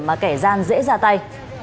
mà kẻ gian dễ ra tay